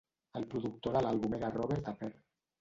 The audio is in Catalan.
El productor de l'àlbum era Robert Appere.